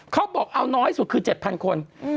เขาบอกเอาน้อยสุดคือ๗๐๐คน